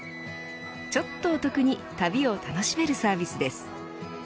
ちょっとお得に旅を楽しめるサービスです。